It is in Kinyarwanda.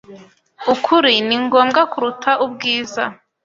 Ukuri ni ngombwa kuruta ubwiza.